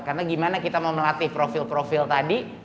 karena gimana kita mau melatih profil profil tadi